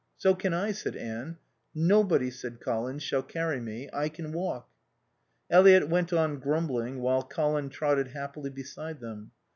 "So can I," said Anne. "Nobody," said Colin "shall carry me. I can walk." Eliot went on grumbling while Colin trotted happily beside them.